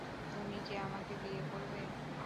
তুমি কি আমাকে বিয়ে করবে?